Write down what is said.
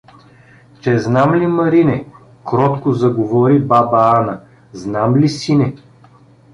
— Че знам ли, Марине — кротко заговори баба Ана, — знам ли, сине.